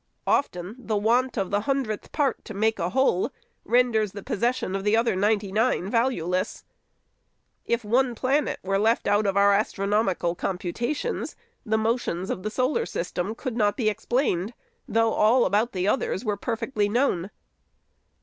Often, the want of the hun dredth part to make a whole, renders the possession of the other ninety nine valueless. If one planet were left out of our astronomical computations, the motions of the solar system could not be explained, though all about the others were perfectly known.